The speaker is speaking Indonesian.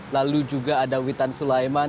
lalu juga ada witan sulaiman